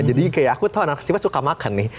jadi kayak aku tau anak sipa suka makan nih